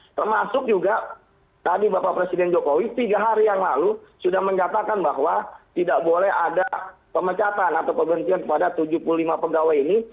termasuk juga tadi bapak presiden jokowi tiga hari yang lalu sudah menyatakan bahwa tidak boleh ada pemecatan atau pemberhentian kepada tujuh puluh lima pegawai ini